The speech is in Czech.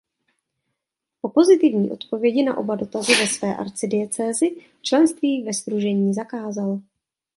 Po pozitivní odpovědi na oba dotazy ve své arcidiecézi členství ve sdružení zakázal.